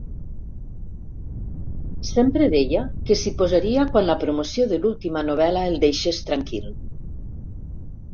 Sempre deia que s'hi posaria quan la promoció de l'última novel·la el deixés tranquil.